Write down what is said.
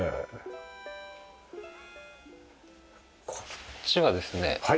こっちはですね